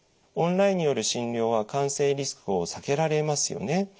オンラインによる診療は感染リスクを避けられますよね。